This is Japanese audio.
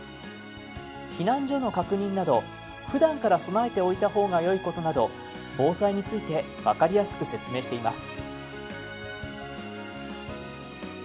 避難所の確認などふだんから備えておいた方がよいことなど防災について分かりやすく説明しています。